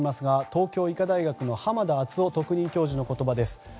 東京医科大学の濱田篤郎特任教授の言葉です。